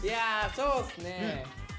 そうっすね。